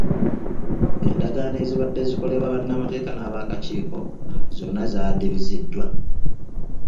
Endagaano ezibadde zikolebwa bannamateeka n'abaakakiiko zonna zaadibiziddwa.